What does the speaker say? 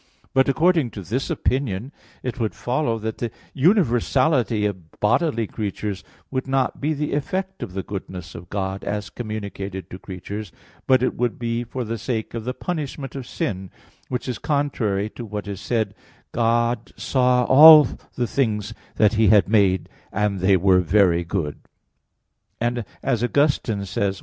But according to this opinion, it would follow that the universality of bodily creatures would not be the effect of the goodness of God as communicated to creatures, but it would be for the sake of the punishment of sin, which is contrary to what is said: "God saw all the things that He had made, and they were very good" (Gen. 1:31). And, as Augustine says (De Civ.